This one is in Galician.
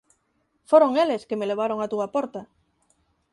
Foron eles que me levaron á túa porta.